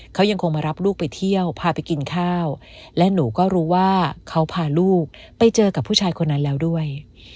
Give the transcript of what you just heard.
เขายังคงมารับลูกไปเที่ยวพาไปกินข้าวและหนูก็รู้ว่าเขาพาลูกไปเจอกับผู้ชายคนนั้นแล้วด้วย